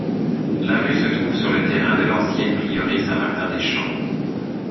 La rue se trouve sur le terrain de l'ancienne prieuré Saint-Martin-des-Champs.